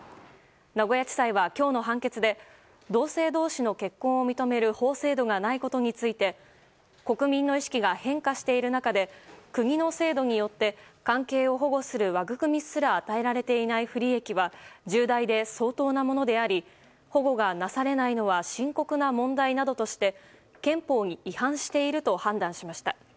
名古屋地裁は今日の判決で同性同士の結婚を認める法制度がないことについて国民の意識が変化している中で国の制度によって関係を保護する枠組みすら与えられていない不利益は重大で相当なものであり保護がなされないのは深刻な問題などとして憲法に違反していると判断しました。